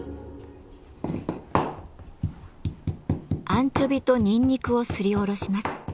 アンチョビとニンニクをすりおろします。